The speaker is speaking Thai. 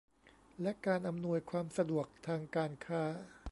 และการอำนวยความสะดวกทางการค้า